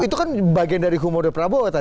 itu kan bagian dari humornya prabowo tadi kan